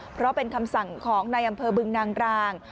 เพราะเป็นคำสั่งของนายอำเภอบึงนางราง